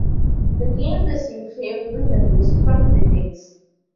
The game received favourable reviews from critics.